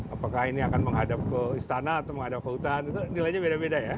apakah ini akan menghadap ke istana atau menghadap ke hutan itu nilainya beda beda ya